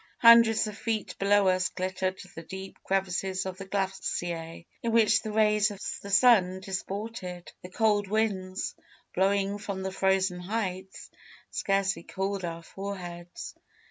Hundreds of feet below us glittered the deep crevasses of the glacier, in which the rays of the sun disported. The cold winds, blowing from the frozen heights, scarcely cooled our foreheads.